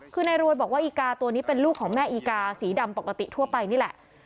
คือในรวยบอกว่าอีกาตัวนี้เป็นลูกของแม่อีกาสีดำปกติทั่วไปนี่แหละ